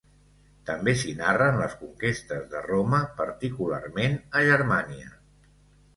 També s'hi narren les conquestes de Roma, particularment a Germània.